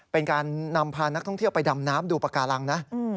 เป็นการนำพานักท่องเที่ยวไปดำน้ำดูปากการังนะ